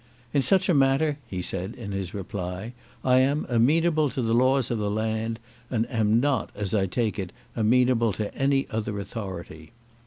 "In such a matter," he said in his reply, "I am amenable to the laws of the land, and am not, as I take it, amenable to any other authority."